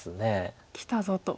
「きたぞ」と。